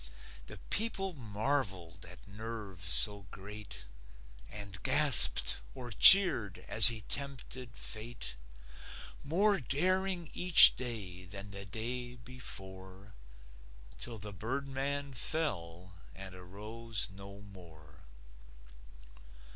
The people marvelled at nerve so great And gasped or cheered as he tempted fate, More daring each day than the day before, Till the birdman fell and arose no more.